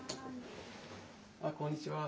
あこんにちは。